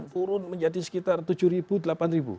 turun menjadi sekitar rp tujuh rp delapan